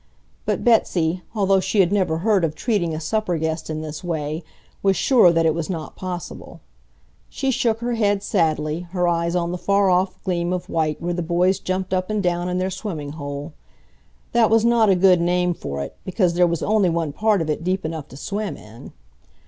But Betsy, although she had never heard of treating a supper guest in this way, was sure that it was not possible. She shook her head sadly, her eyes on the far off gleam of white where the boys jumped up and down in their swimming hole. That was not a good name for it, because there was only one part of it deep enough to swim in.